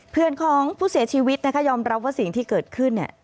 เพื่อนของผู้เสียชีวิตนะคะยอมรับว่าสิ่งที่เกิดขึ้นเนี่ย